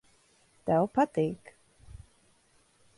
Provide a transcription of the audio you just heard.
Tev patīk.